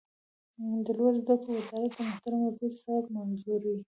د لوړو زده کړو وزارت د محترم وزیر صاحب منظوري